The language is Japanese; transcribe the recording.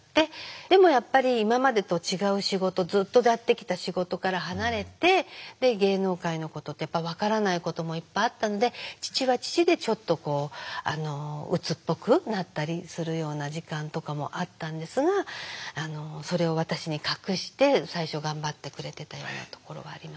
でもやっぱり今までと違う仕事ずっとやってきた仕事から離れて芸能界のことってやっぱり分からないこともいっぱいあったので父は父でちょっとこううつっぽくなったりするような時間とかもあったんですがそれを私に隠して最初頑張ってくれてたようなところはありました。